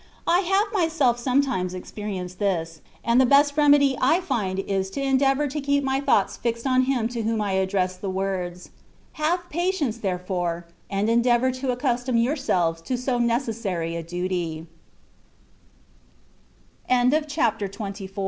I have myself sometimes experienced this ; and the best remedy I find is to endeavour to keep my thoughts fixed on Him to whom I address the words. Have patience, therefore, and endeavour to accus tom yourselves to so necessary a duty. THE WAY OP PERFECTION.